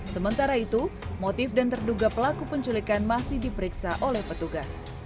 sementara itu motif dan terduga pelaku penculikan masih diperiksa oleh petugas